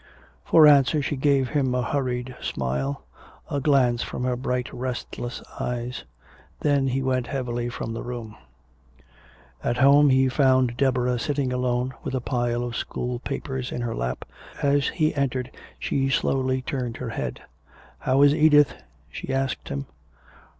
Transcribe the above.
For answer she gave him a hurried smile, a glance from her bright restless eyes. Then he went heavily from the room. At home he found Deborah sitting alone, with a pile of school papers in her lap. As he entered she slowly turned her head. "How is Edith?" she asked him.